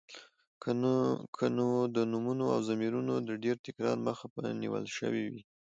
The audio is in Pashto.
که نو د نومونو او ضميرونو د ډېر تکرار مخه به نيول شوې وې.